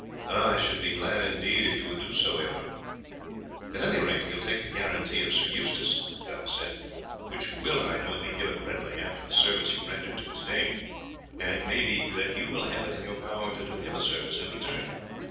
"I should be glad indeed if you would do so, Aylmer." "At any rate he will take the guarantee of Sir Eustace," Guy said, "which will, I know, be given readily, after the service you rendered to his dame, and it may be that you will have it in your power to do him a service in return."